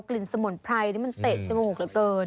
กลิ่นสมุนไพรมันเตะจมูกเหลือเกิน